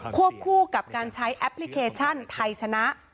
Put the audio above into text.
วบคู่กับการใช้แอปพลิเคชันไทยชนะ